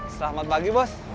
selamat pagi bos